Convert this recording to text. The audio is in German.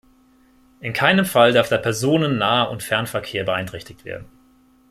In keinem Fall darf der Personennahund -fernverkehr beeinträchtigt werden.